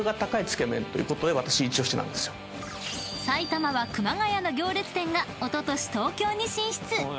［埼玉は熊谷の行列店がおととし東京に進出］